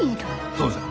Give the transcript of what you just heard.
そうじゃ。